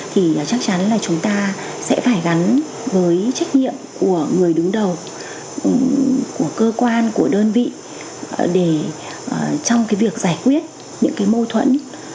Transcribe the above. thì chắc chắn là chúng ta sẽ phải gắn với trách nhiệm của người đứng đầu của cơ quan của đơn vị để trong cái việc giải quyết những cái mâu thuẫn